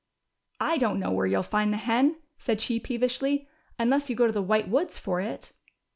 I don't know where you'll find the hen," said she peevishly, unless you go to the White Woods for it."